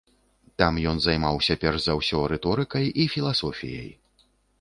Там ён займаўся перш за ўсё рыторыкай і філасофіяй.